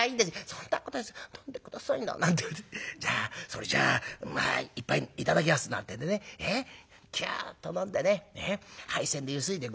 『そんなこと言わず飲んで下さいな』なんて言われて『それじゃまあ一杯頂きます』なんてんでねキュっと飲んでね杯洗でゆすいで『ご返杯』。